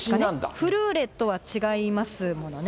フルーレとは違いますものね。